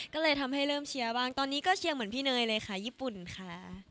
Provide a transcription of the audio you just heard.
ก็เลยทำให้เริ่มเชียร์บ้างตอนนี้ก็เชียร์เหมือนพี่เนยเลยค่ะญี่ปุ่นค่ะ